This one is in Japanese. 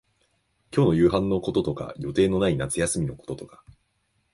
今日の夕飯のこととか、予定のない夏休みのこととか、